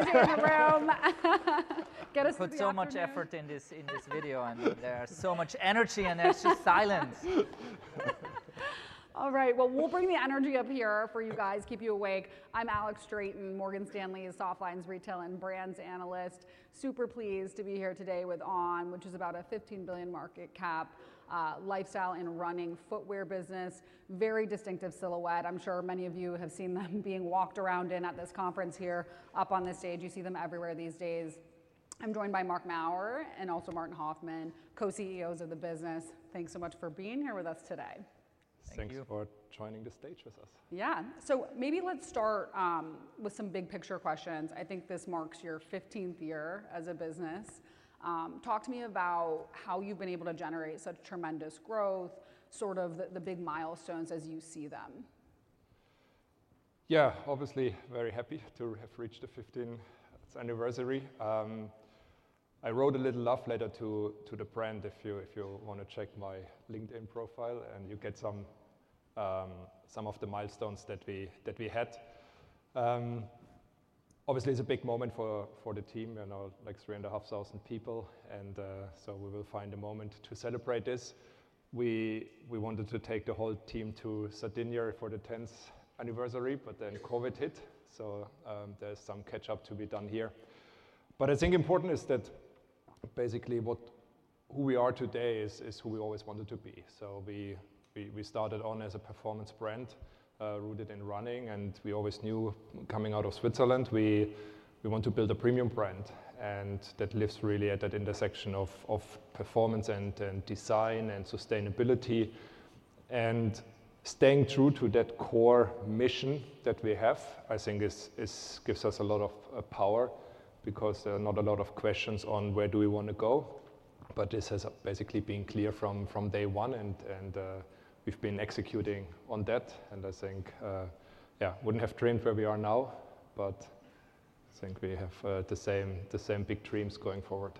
Energy in the room. Get us to do it. We put so much effort in this video, and there's so much energy, and there's just silence. All right, well, we'll bring the energy up here for you guys, keep you awake. I'm Alex Straton, Morgan Stanley's softlines, retail, and brands analyst. Super pleased to be here today with On, which is about a $15 billion market cap lifestyle and running footwear business, very distinctive silhouette. I'm sure many of you have seen them being walked around in at this conference here. Up on the stage, you see them everywhere these days. I'm joined by Marc Maurer and also Martin Hoffmann, co-CEOs of the business. Thanks so much for being here with us today. Thank you for joining the stage with us. Yeah, so maybe let's start with some big picture questions. I think this marks your 15th year as a business. Talk to me about how you've been able to generate such tremendous growth, sort of the big milestones as you see them. Yeah, obviously very happy to have reached the 15th anniversary. I wrote a little love letter to the brand, if you want to check my LinkedIn profile, and you get some of the milestones that we had. Obviously, it's a big moment for the team, like 3,500 people, and so we will find a moment to celebrate this. We wanted to take the whole team to Sardinia for the 10th anniversary, but then COVID hit, so there's some catch-up to be done here. But I think important is that basically who we are today is who we always wanted to be. So we started On as a performance brand rooted in running, and we always knew coming out of Switzerland, we want to build a premium brand. And that lives really at that intersection of performance and design and sustainability. Staying true to that core mission that we have, I think, gives us a lot of power because there are not a lot of questions on where do we want to go. This has basically been clear from day one, and we've been executing on that. I think, yeah, wouldn't have dreamed where we are now, but I think we have the same big dreams going forward.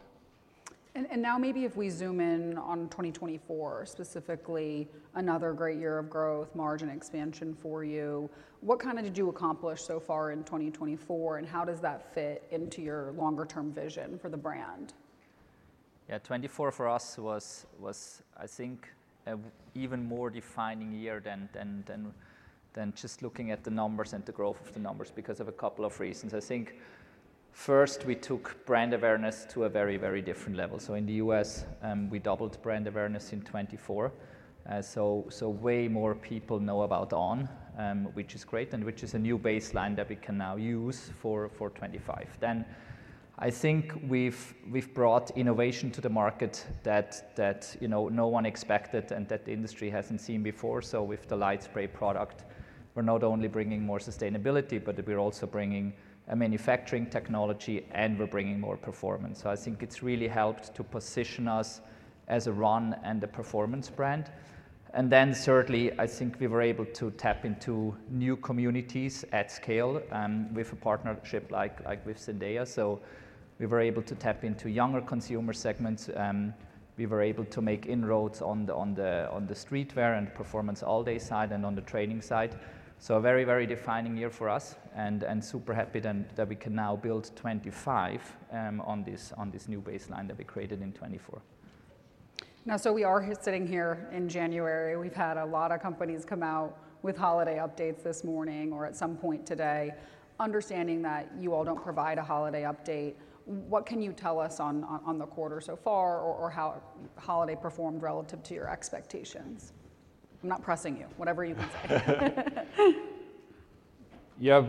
Now maybe if we zoom in on 2024, specifically another great year of growth, margin expansion for you, what kind of did you accomplish so far in 2024, and how does that fit into your longer-term vision for the brand? Yeah, 2024 for us was, I think, an even more defining year than just looking at the numbers and the growth of the numbers because of a couple of reasons. I think first we took brand awareness to a very, very different level. So in the U.S., we doubled brand awareness in 2024. So way more people know about On, which is great, and which is a new baseline that we can now use for 2025. Then I think we've brought innovation to the market that no one expected and that the industry hasn't seen before. So with the LightSpray product, we're not only bringing more sustainability, but we're also bringing a manufacturing technology, and we're bringing more performance. So I think it's really helped to position us as a run and a performance brand. Then certainly, I think we were able to tap into new communities at scale with a partnership like with Zendaya. So we were able to tap into younger consumer segments. We were able to make inroads on the streetwear and performance all day side and on the training side. So a very, very defining year for us, and super happy that we can now build 2025 on this new baseline that we created in 2024. Now, so we are sitting here in January. We've had a lot of companies come out with holiday updates this morning or at some point today, understanding that you all don't provide a holiday update. What can you tell us on the quarter so far or how holiday performed relative to your expectations? I'm not pressing you, whatever you can say. Yeah,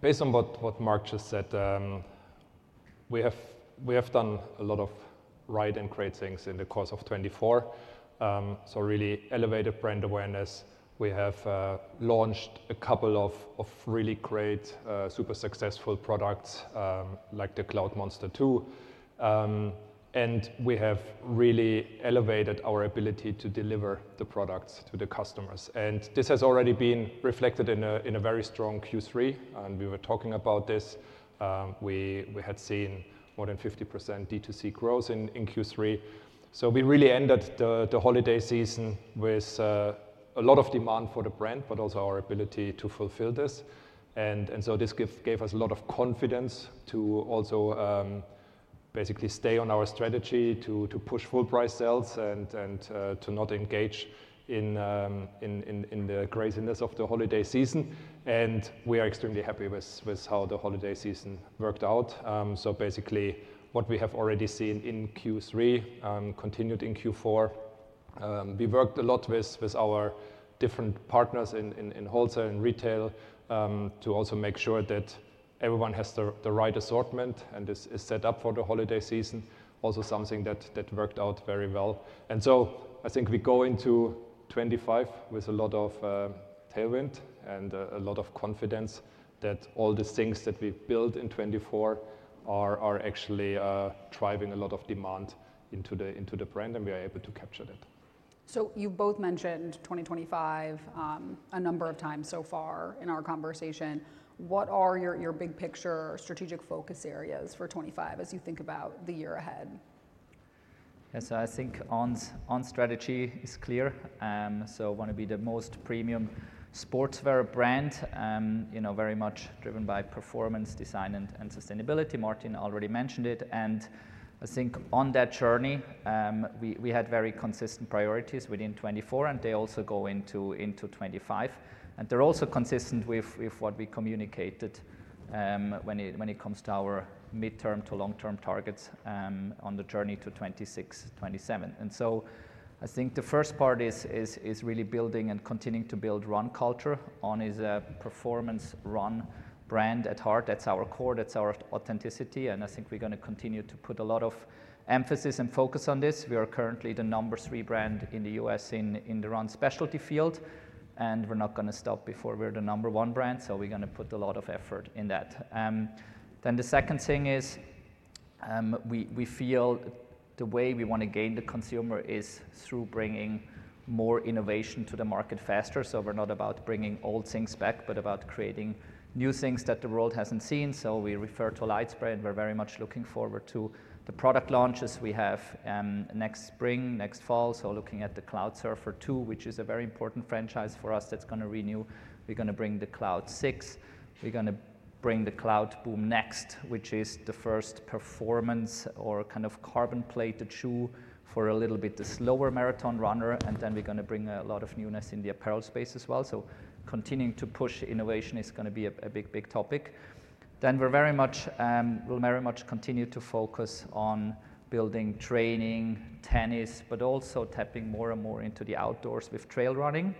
based on what Marc just said, we have done a lot of right and great things in the course of 2024. We really elevated brand awareness. We have launched a couple of really great, super successful products like the Cloudmonster 2. We have really elevated our ability to deliver the products to the customers. This has already been reflected in a very strong Q3. We were talking about this. We had seen more than 50% D2C growth in Q3. We really ended the holiday season with a lot of demand for the brand, but also our ability to fulfill this. This gave us a lot of confidence to also basically stay on our strategy, to push full price sales, and to not engage in the craziness of the holiday season. We are extremely happy with how the holiday season worked out. Basically what we have already seen in Q3 continued in Q4. We worked a lot with our different partners in wholesale and retail to also make sure that everyone has the right assortment and is set up for the holiday season. Also, something that worked out very well, and so I think we go into 2025 with a lot of tailwind and a lot of confidence that all the things that we built in 2024 are actually driving a lot of demand into the brand, and we are able to capture that. You both mentioned 2025 a number of times so far in our conversation. What are your big picture strategic focus areas for 2025 as you think about the year ahead? Yeah, so I think On's strategy is clear. So we want to be the most premium sportswear brand, very much driven by performance, design, and sustainability. Martin already mentioned it. And I think on that journey, we had very consistent priorities within 2024, and they also go into 2025. And they're also consistent with what we communicated when it comes to our midterm to long-term targets on the journey to 2026, 2027. And so I think the first part is really building and continuing to build run culture. On is a performance run brand at heart. That's our core. That's our authenticity. And I think we're going to continue to put a lot of emphasis and focus on this. We are currently the number three brand in the U.S. in the run specialty field. And we're not going to stop before we're the number one brand. We're going to put a lot of effort in that. The second thing is we feel the way we want to gain the consumer is through bringing more innovation to the market faster. We're not about bringing old things back, but about creating new things that the world hasn't seen. We refer to LightSpray, and we're very much looking forward to the product launches we have next spring, next fall. Looking at the Cloudsurfer 2, which is a very important franchise for us that's going to renew. We're going to bring the Cloud 6. We're going to bring the Cloudboom Next, which is the first performance or kind of carbon plate shoe for a little bit the slower marathon runner. We're going to bring a lot of newness in the apparel space as well. Continuing to push innovation is going to be a big, big topic. Then we'll very much continue to focus on building training, tennis, but also tapping more and more into the outdoors with trail running.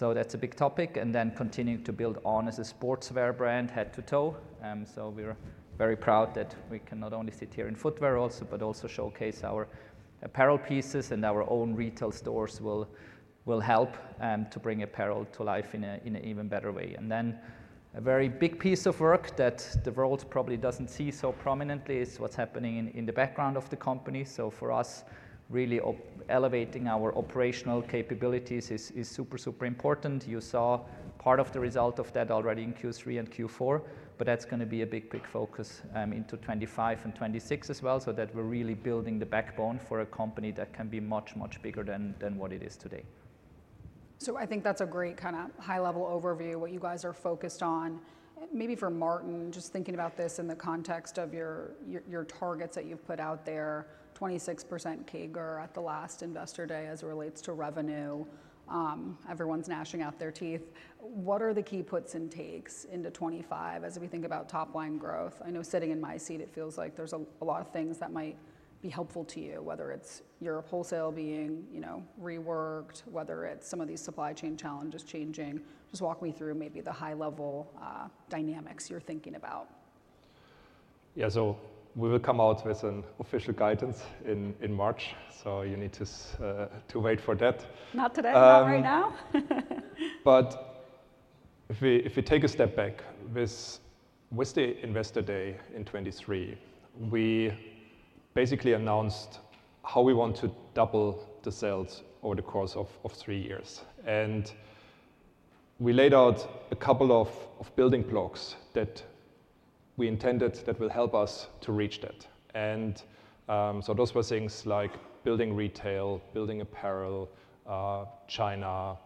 That's a big topic. Continuing to build On as a sportswear brand head to toe. We're very proud that we can not only sit here in footwear also, but also showcase our apparel pieces, and our own retail stores will help to bring apparel to life in an even better way. A very big piece of work that the world probably doesn't see so prominently is what's happening in the background of the company. For us, really elevating our operational capabilities is super, super important. You saw part of the result of that already in Q3 and Q4, but that's going to be a big, big focus into 2025 and 2026 as well, so that we're really building the backbone for a company that can be much, much bigger than what it is today. So I think that's a great kind of high-level overview of what you guys are focused on. Maybe for Martin, just thinking about this in the context of your targets that you've put out there, 26% CAGR at the last investor day as it relates to revenue. Everyone's gnashing their teeth. What are the key puts and takes into 2025 as we think about top-line growth? I know sitting in my seat, it feels like there's a lot of things that might be helpful to you, whether it's your wholesale being reworked, whether it's some of these supply chain challenges changing. Just walk me through maybe the high-level dynamics you're thinking about. Yeah, so we will come out with an official guidance in March, so you need to wait for that. Not today, not right now. If we take a step back, with the investor day in 2023, we basically announced how we want to double the sales over the course of three years. We laid out a couple of building blocks that we intended that will help us to reach that. So those were things like building retail, building apparel, China,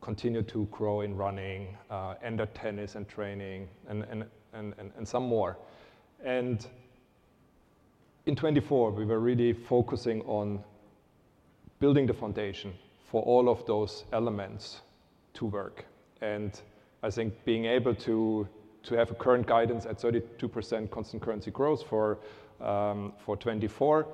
continue to grow in running, enter tennis and training, and some more. In 2024, we were really focusing on building the foundation for all of those elements to work. I think being able to have a current guidance at 32% constant currency growth for 2024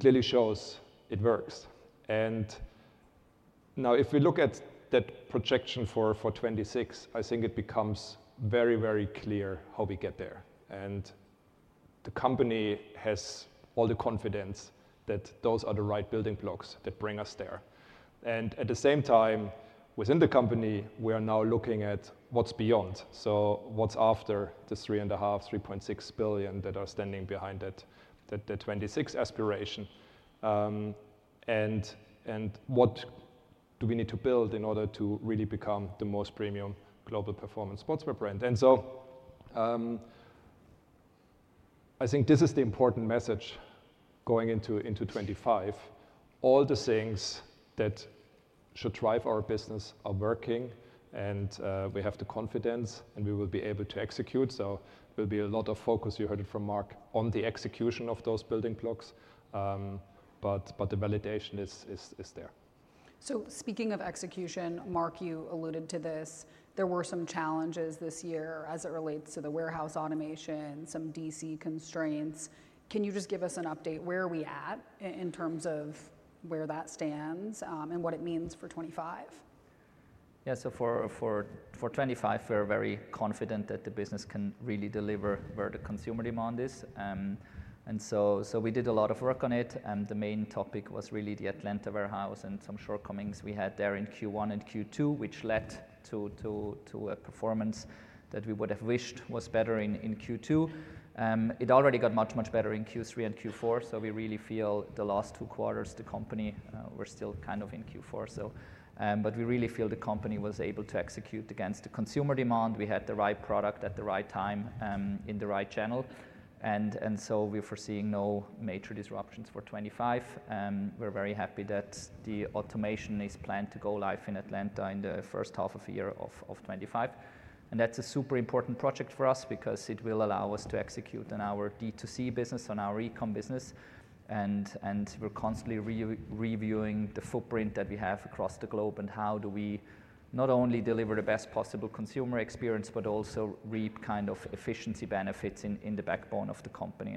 clearly shows it works. Now if we look at that projection for 2026, I think it becomes very, very clear how we get there. The company has all the confidence that those are the right building blocks that bring us there. At the same time, within the company, we are now looking at what's beyond. So what's after the 3.5 billion, 3.6 billion that are standing behind that 2026 aspiration? And what do we need to build in order to really become the most premium global performance sportswear brand? And so I think this is the important message going into 2025. All the things that should drive our business are working, and we have the confidence, and we will be able to execute. So there'll be a lot of focus, you heard it from Marc, on the execution of those building blocks, but the validation is there. Speaking of execution, Marc, you alluded to this. There were some challenges this year as it relates to the warehouse automation, some DC constraints. Can you just give us an update? Where are we at in terms of where that stands and what it means for '25? Yeah, so for 2025, we're very confident that the business can really deliver where the consumer demand is. We did a lot of work on it. The main topic was really the Atlanta warehouse and some shortcomings we had there in Q1 and Q2, which led to a performance that we would have wished was better in Q2. It already got much, much better in Q3 and Q4. We really feel the last two quarters, the company were still kind of in Q4. We really feel the company was able to execute against the consumer demand. We had the right product at the right time in the right channel. We're foreseeing no major disruptions for 2025. We're very happy that the automation is planned to go live in Atlanta in the first half of the year of 2025. That's a super important project for us because it will allow us to execute on our D2C business, on our e-com business. We're constantly reviewing the footprint that we have across the globe and how do we not only deliver the best possible consumer experience, but also reap kind of efficiency benefits in the backbone of the company.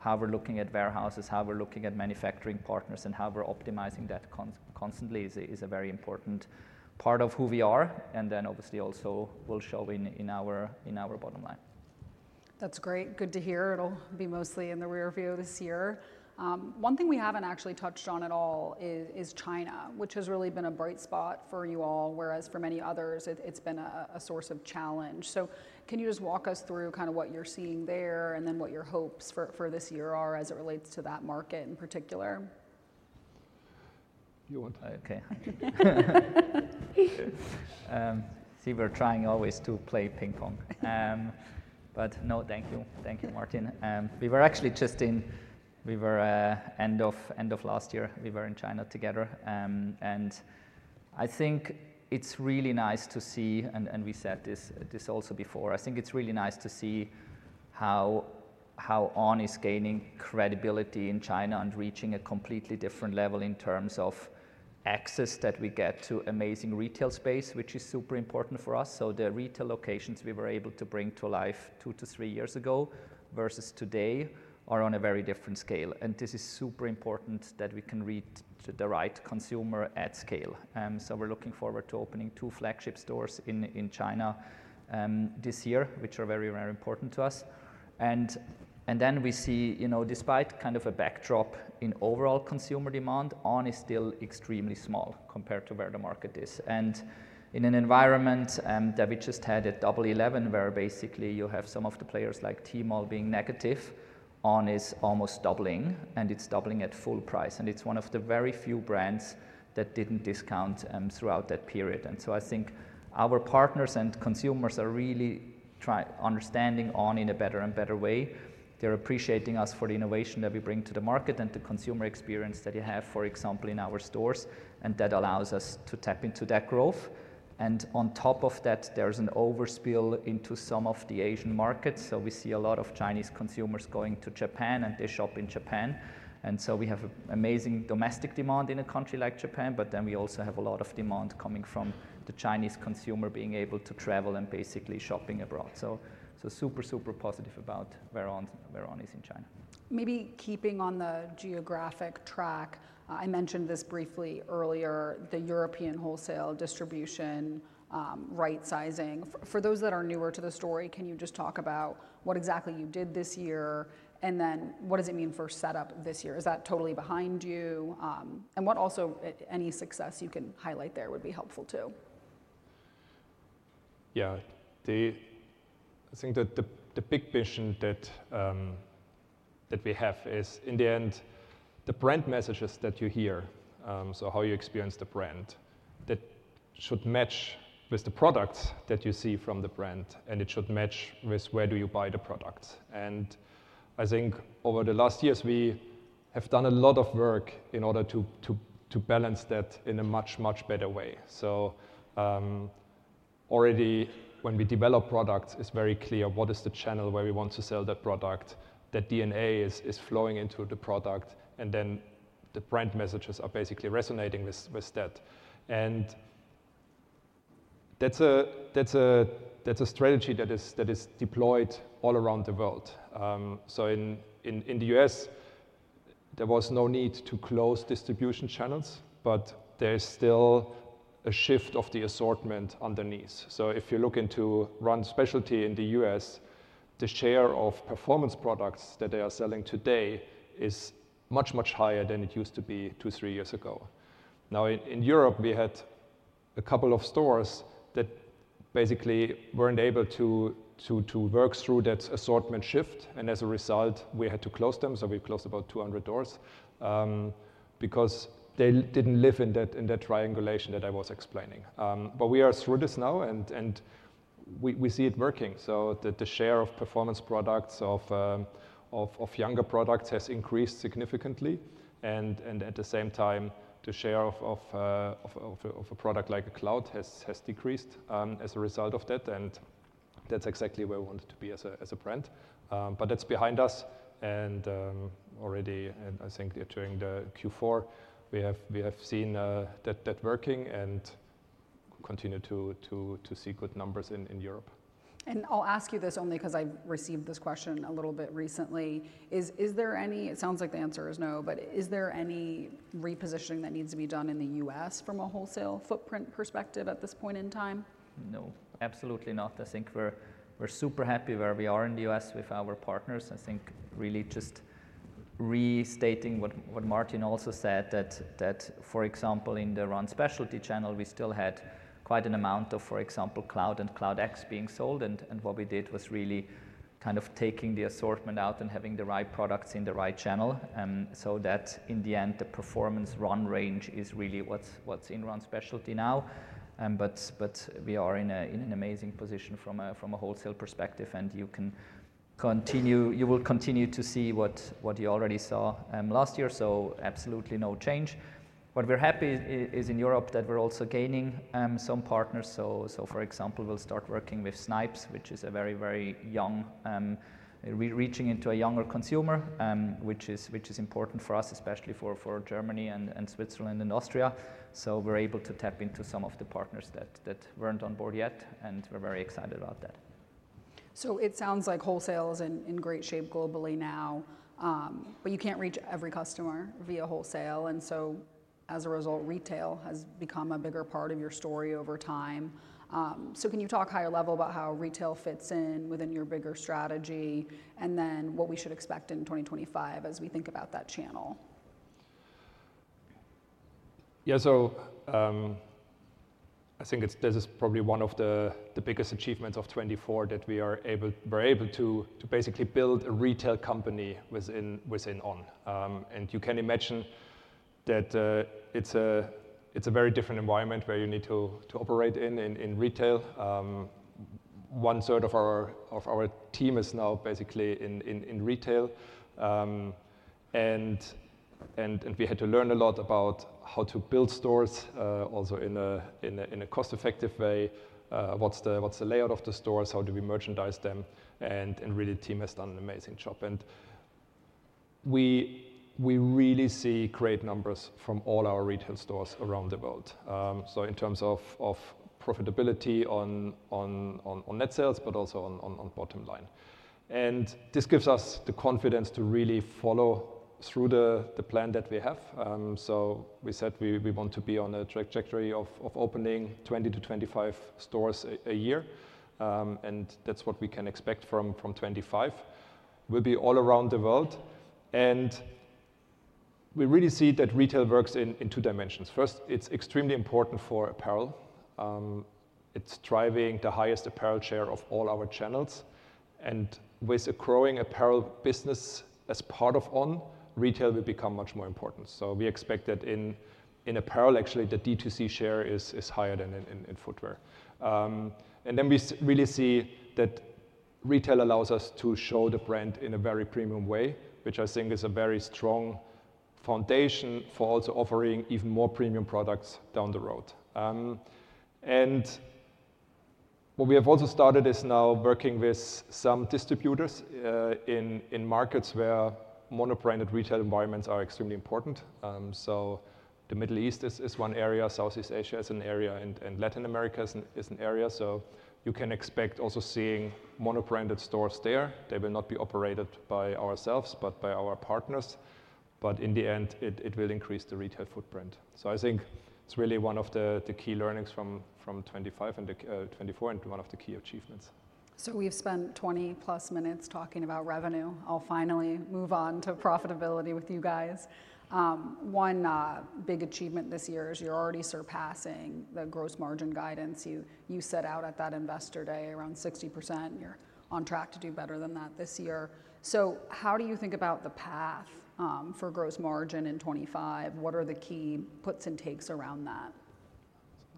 How we're looking at warehouses, how we're looking at manufacturing partners, and how we're optimizing that constantly is a very important part of who we are. Obviously also will show in our bottom line. That's great. Good to hear. It'll be mostly in the rearview this year. One thing we haven't actually touched on at all is China, which has really been a bright spot for you all, whereas for many others, it's been a source of challenge. So can you just walk us through kind of what you're seeing there and then what your hopes for this year are as it relates to that market in particular? You want to? Okay. See, we're trying always to play ping pong, but no, thank you. Thank you, Martin. We were actually just in China end of last year together. I think it's really nice to see, and we said this also before. I think it's really nice to see how On is gaining credibility in China and reaching a completely different level in terms of access that we get to amazing retail space, which is super important for us. So the retail locations we were able to bring to life two to three years ago versus today are on a very different scale. This is super important that we can reach the right consumer at scale. We're looking forward to opening two flagship stores in China this year, which are very, very important to us. Then we see, despite kind of a backdrop in overall consumer demand, On is still extremely small compared to where the market is. In an environment that we just had at Double 11, where basically you have some of the players like Tmall being negative, On is almost doubling, and it's doubling at full price. It's one of the very few brands that didn't discount throughout that period. So I think our partners and consumers are really understanding On in a better and better way. They're appreciating us for the innovation that we bring to the market and the consumer experience that you have, for example, in our stores. That allows us to tap into that growth. On top of that, there's an overspill into some of the Asian markets. We see a lot of Chinese consumers going to Japan, and they shop in Japan. We have amazing domestic demand in a country like Japan, but then we also have a lot of demand coming from the Chinese consumer being able to travel and basically shopping abroad. We are super, super positive about where On is in China. Maybe keeping on the geographic track, I mentioned this briefly earlier, the European wholesale distribution right-sizing. For those that are newer to the story, can you just talk about what exactly you did this year and then what does it mean for setup this year? Is that totally behind you? And what also any success you can highlight there would be helpful too. Yeah, I think that the big vision that we have is in the end, the brand messages that you hear, so how you experience the brand, that should match with the products that you see from the brand, and it should match with where do you buy the products, and I think over the last years, we have done a lot of work in order to balance that in a much, much better way, so already when we develop products, it's very clear what is the channel where we want to sell that product, that DNA is flowing into the product, and then the brand messages are basically resonating with that, and that's a strategy that is deployed all around the world, so in the U.S., there was no need to close distribution channels, but there's still a shift of the assortment underneath. If you look into run specialty in the U.S., the share of performance products that they are selling today is much, much higher than it used to be two, three years ago. Now in Europe, we had a couple of stores that basically weren't able to work through that assortment shift. As a result, we had to close them. We closed about 200 doors because they didn't live in that triangulation that I was explaining. We are through this now, and we see it working. The share of performance products, of younger products has increased significantly. At the same time, the share of a product like a Cloud has decreased as a result of that. That's exactly where we wanted to be as a brand. That's behind us. Already, I think during the Q4, we have seen that working and continue to see good numbers in Europe. I'll ask you this only because I've received this question a little bit recently. Is there any, it sounds like the answer is no, but is there any repositioning that needs to be done in the U.S. from a wholesale footprint perspective at this point in time? No, absolutely not. I think we're super happy where we are in the U.S. with our partners. I think really just restating what Martin also said, that for example, in the run specialty channel, we still had quite an amount of, for example, Cloud and Cloud X being sold. And what we did was really kind of taking the assortment out and having the right products in the right channel so that in the end, the performance run range is really what's in run specialty now. But we are in an amazing position from a wholesale perspective, and you will continue to see what you already saw last year. So absolutely no change. What we're happy is in Europe that we're also gaining some partners. For example, we'll start working with Snipes, which is a very, very young, reaching into a younger consumer, which is important for us, especially for Germany and Switzerland and Austria. We're able to tap into some of the partners that weren't on board yet, and we're very excited about that. It sounds like wholesale is in great shape globally now, but you can't reach every customer via wholesale. And so as a result, retail has become a bigger part of your story over time. Can you talk higher level about how retail fits in within your bigger strategy and then what we should expect in 2025 as we think about that channel? Yeah, so I think this is probably one of the biggest achievements of 2024 that we were able to basically build a retail company within On. And you can imagine that it's a very different environment where you need to operate in retail. One third of our team is now basically in retail. And we had to learn a lot about how to build stores also in a cost-effective way. What's the layout of the stores? How do we merchandise them? And really, the team has done an amazing job. And we really see great numbers from all our retail stores around the world. So in terms of profitability on net sales, but also on bottom line. And this gives us the confidence to really follow through the plan that we have. So we said we want to be on a trajectory of opening 20-25 stores a year. That's what we can expect from 2025. We'll be all around the world. We really see that retail works in two dimensions. First, it's extremely important for apparel. It's driving the highest apparel share of all our channels. With a growing apparel business as part of On, retail will become much more important. We expect that in apparel, actually, the D2C share is higher than in footwear. Then we really see that retail allows us to show the brand in a very premium way, which I think is a very strong foundation for also offering even more premium products down the road. What we have also started is now working with some distributors in markets where monobranded retail environments are extremely important. The Middle East is one area, Southeast Asia is an area, and Latin America is an area. You can expect also seeing monobranded stores there. They will not be operated by ourselves, but by our partners. But in the end, it will increase the retail footprint. I think it's really one of the key learnings from 2025 and 2024 and one of the key achievements. So we've spent 20 plus minutes talking about revenue. I'll finally move on to profitability with you guys. One big achievement this year is you're already surpassing the gross margin guidance you set out at that investor day around 60%. You're on track to do better than that this year. So how do you think about the path for gross margin in 2025? What are the key puts and takes around that?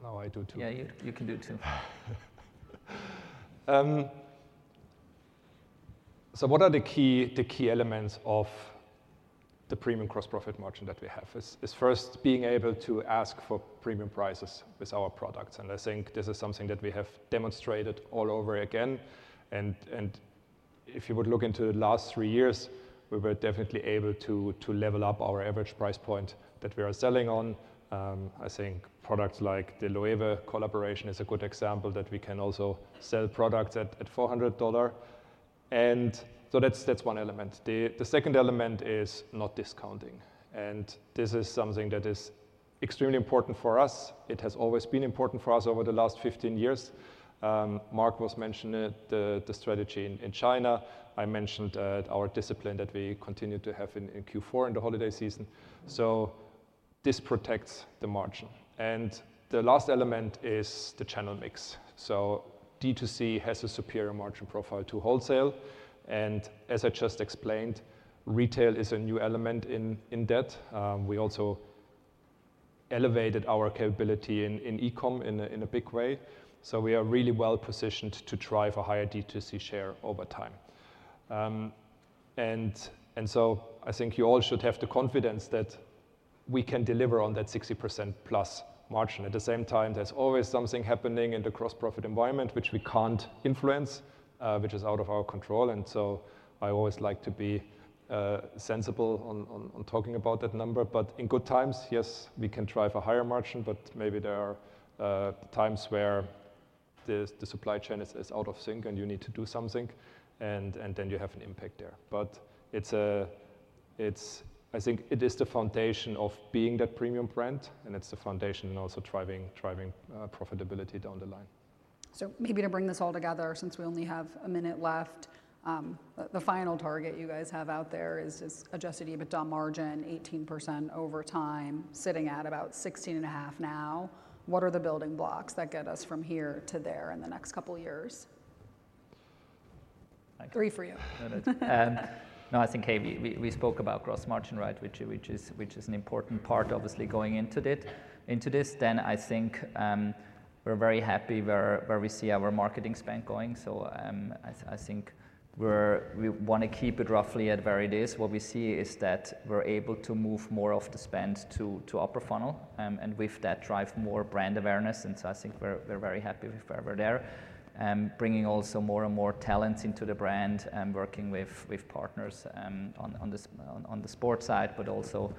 Oh, I do too. Yeah, you can do too. What are the key elements of the premium gross profit margin that we have? It's first being able to ask for premium prices with our products. And I think this is something that we have demonstrated all over again. And if you would look into the last three years, we were definitely able to level up our average price point that we are selling on. I think products like the Loewe collaboration is a good example that we can also sell products at $400. And so that's one element. The second element is not discounting. And this is something that is extremely important for us. It has always been important for us over the last 15 years. Marc was mentioning the strategy in China. I mentioned our discipline that we continue to have in Q4 in the holiday season. So this protects the margin. The last element is the channel mix. So D2C has a superior margin profile to wholesale. And as I just explained, retail is a new element in that. We also elevated our capability in e-comm in a big way. So we are really well positioned to drive a higher D2C share over time. And so I think you all should have the confidence that we can deliver on that 60% plus margin. At the same time, there's always something happening in the gross profit environment, which we can't influence, which is out of our control. And so I always like to be sensible on talking about that number. But in good times, yes, we can drive a higher margin, but maybe there are times where the supply chain is out of sync and you need to do something, and then you have an impact there. But I think it is the foundation of being that premium brand, and it's the foundation and also driving profitability down the line. So maybe to bring this all together, since we only have a minute left, the final target you guys have out there is adjusted EBITDA margin, 18% over time, sitting at about 16.5% now. What are the building blocks that get us from here to there in the next couple of years? Three for you. No, I think we spoke about gross margin, right, which is an important part, obviously, going into this. Then I think we're very happy where we see our marketing spend going. So I think we want to keep it roughly at where it is. What we see is that we're able to move more of the spend to upper funnel and with that drive more brand awareness. And so I think we're very happy with where we're there, bringing also more and more talents into the brand and working with partners on the sports side, but also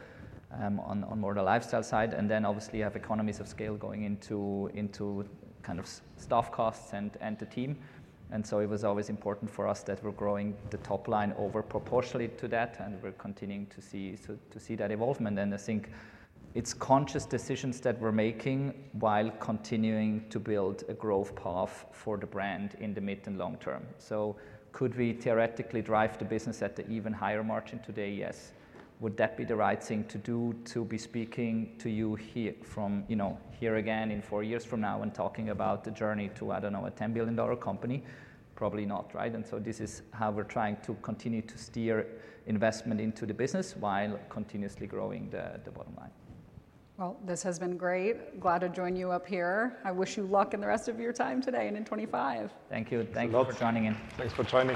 on more of the lifestyle side. And then obviously you have economies of scale going into kind of staff costs and the team. And so it was always important for us that we're growing the top line over proportionally to that, and we're continuing to see that evolvement. I think it's conscious decisions that we're making while continuing to build a growth path for the brand in the mid and long term. So could we theoretically drive the business at an even higher margin today? Yes. Would that be the right thing to do to be speaking to you here again in four years from now and talking about the journey to, I don't know, a $10 billion company? Probably not, right? And so this is how we're trying to continue to steer investment into the business while continuously growing the bottom line. This has been great. Glad to join you up here. I wish you luck in the rest of your time today and in 2025. Thank you. Thanks for joining in. Thanks for joining me.